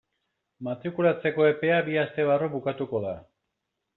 Matrikulatzeko epea bi aste barru bukatuko da.